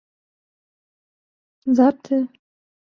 خلوت کسی را به هم زدن